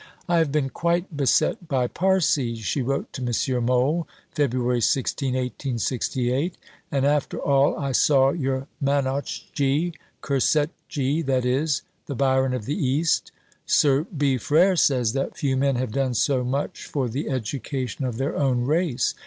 "I have been quite beset by Parsees," she wrote to M. Mohl (Feb. 16, 1868); "and after all I saw your Manochjee Cursetjee, that is, the 'Byron of the East.' Sir B. Frere says that few men have done so much for the education of their own race.